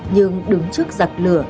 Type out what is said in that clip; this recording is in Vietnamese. nhưng đứng trước giặc lửa